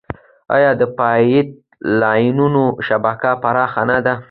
آیا د پایپ لاینونو شبکه پراخه نه ده؟